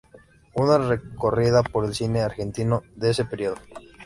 Una recorrida por el cine argentino de ese período.